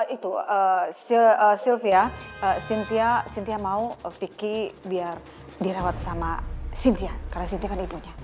itu sylvia siktya mau vicky biar dirawat sama siktya karena siktya kan ibunya